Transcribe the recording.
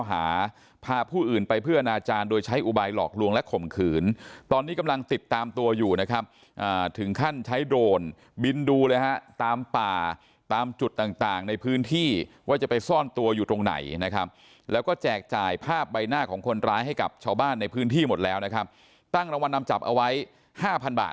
หาพาผู้อื่นไปเพื่ออนาจารย์โดยใช้อุบายหลอกลวงและข่มขืนตอนนี้กำลังติดตามตัวอยู่นะครับถึงขั้นใช้โดรนบินดูเลยฮะตามป่าตามจุดต่างต่างในพื้นที่ว่าจะไปซ่อนตัวอยู่ตรงไหนนะครับแล้วก็แจกจ่ายภาพใบหน้าของคนร้ายให้กับชาวบ้านในพื้นที่หมดแล้วนะครับตั้งรางวัลนำจับเอาไว้ห้าพันบาท